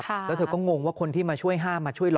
แล้วเธอก็งงว่าคนที่มาช่วยห้ามมาช่วยล้อ